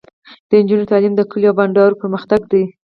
د نجونو تعلیم د کلیو او بانډو پرمختګ دی.